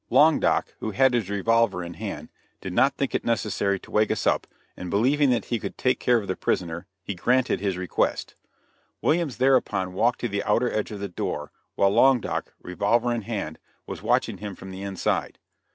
Long Doc, who had his revolver in his hand, did not think it necessary to wake us up, and believing that he could take care of the prisoner, he granted his request. Williams thereupon walked to the outer edge of the door, while Long Doc, revolver in hand, was watching him from the inside.